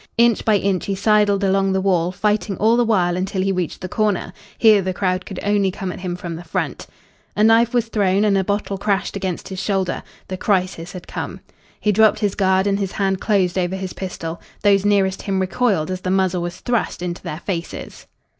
Inch by inch he sidled along the wall, fighting all the while until he reached the corner. Here the crowd could only come at him from the front. A knife was thrown and a bottle crashed against his shoulder. The crisis had come. He dropped his guard and his hand closed over his pistol. Those nearest to him recoiled as the muzzle was thrust into their faces.